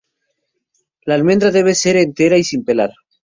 La almendra debe ser entera y sin pelar.